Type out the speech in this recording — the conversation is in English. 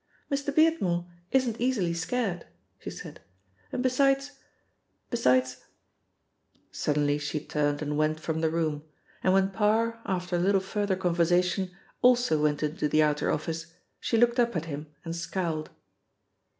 "Mr. Beardmore isn't easily scared," she said, "and besides besides " Suddenly she turned and went from the room, and when Parr, after a little further conversation, also went into the outer office, she looked up at him and scowled.